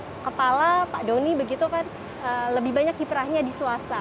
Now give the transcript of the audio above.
kepala pak doni begitu kan lebih banyak kiprahnya di swasta